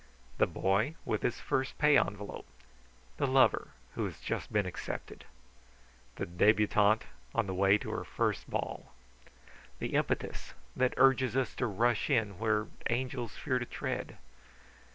The boy with his first pay envelope, the lover who has just been accepted, the debutante on the way to her first ball; the impetus that urges us to rush in where angels fear to tread.